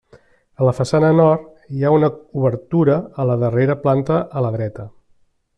A la façana nord, hi ha una obertura a la darrera planta a la dreta.